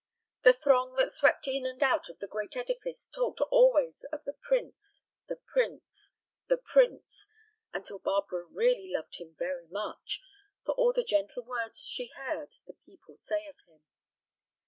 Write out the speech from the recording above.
The throng that swept in and out of the great edifice talked always of the prince, the prince, the prince, until Barbara really loved him very much, for all the gentle words she heard the people say of him.